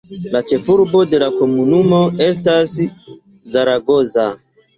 La ĉefurbo de la komunumo estas Zaragoza.